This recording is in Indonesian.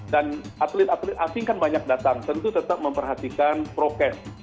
dan atlet atlet asing kan banyak datang tentu tetap memperhatikan prokes